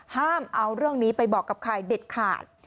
ห้ามเอาเรื่องนี้ไปบอกกับใครเด็ดขาด